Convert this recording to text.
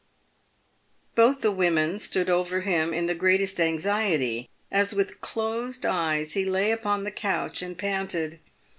Both the women stood over him in the greatest anxiety, as with closed eyes he lay upon the couch and panted.